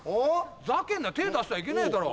ふざけんなよ手出したらいけねえだろ！